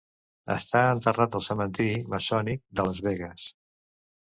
Està enterrat al cementiri maçònic de Las Vegas.